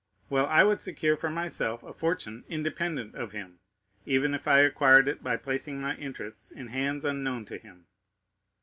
Well, I would secure for myself a fortune independent of him, even if I acquired it by placing my interests in hands unknown to him."